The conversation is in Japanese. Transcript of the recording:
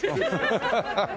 ハハハハ！